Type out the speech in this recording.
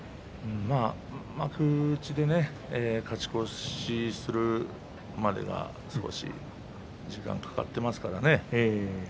幕内で勝ち越しするまでは少し時間がかかっていますからね。